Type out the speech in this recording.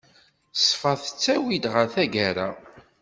Ṣṣfa tettawi-d ɣer tagara.